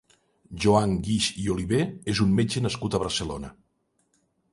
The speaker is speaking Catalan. Joan Guix i Oliver és un metge nascut a Barcelona.